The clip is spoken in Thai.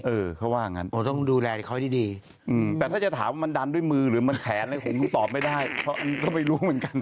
เออเขาว่างั้นต้องดูแลเขาดีแต่ถ้าจะถามว่ามันดันด้วยมือหรือมันแขนอะไรผมก็ตอบไม่ได้เพราะก็ไม่รู้เหมือนกัน